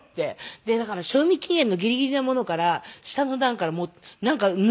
でだから賞味期限のギリギリなものから下の段からなんか抜くようにね